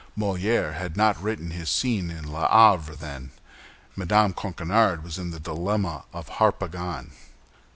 Molière had not written his scene in "L'Avare" then. Mme. Coquenard was in the dilemma of Harpagan.